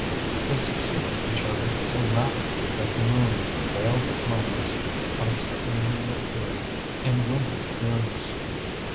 They succeeded each other so rapidly that the moon, veiled at moments, constantly reappeared in limpid clearness.